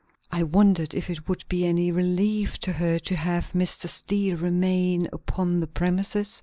I wondered if it would be any relief to her to have Mr. Steele remain upon the premises.